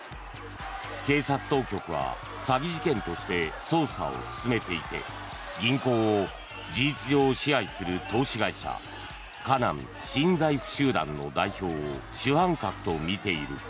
警察当局は詐欺事件として捜査を進めていて銀行を事実上、支配する投資会社河南新財富集団の代表を主犯格とみている。